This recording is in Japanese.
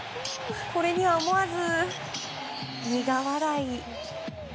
これには思わず苦笑い。